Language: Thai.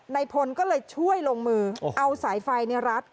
นายพลก็เลยช่วยลงมือเอาสายไฟรัด